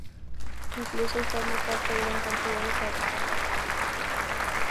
Incluso hoy forma parte de gran cantidad de pabellones nacionales.